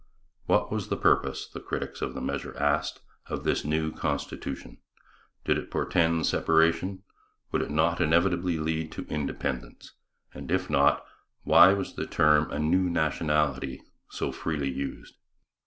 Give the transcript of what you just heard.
What was the purpose, the critics of the measure asked, of this new constitution? Did it portend separation? Would it not inevitably lead to independence? and if not, why was the term 'a new nationality' so freely used?